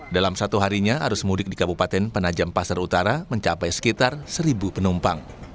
dalam satu harinya arus mudik di kabupaten penajam pasar utara mencapai sekitar seribu penumpang